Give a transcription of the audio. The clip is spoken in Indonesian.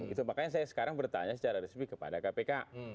itu makanya saya sekarang bertanya secara resmi kepada kpk